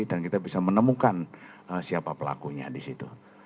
dan kita bisa menemukan siapa pelakunya di situ